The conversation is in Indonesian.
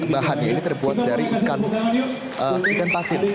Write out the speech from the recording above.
bahannya ini terbuat dari ikan patin